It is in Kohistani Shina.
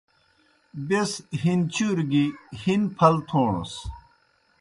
بیْس ہِنچُور گیْ ہِن پھل تھوݨَس۔